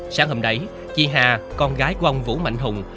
sáng hôm đấy chị hà con gái của ông vũ mạnh hùng